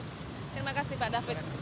terima kasih pak david